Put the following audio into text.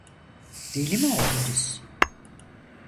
Deli mi oldunuz!